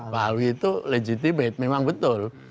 pak huy itu legitimate memang betul